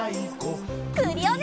クリオネ！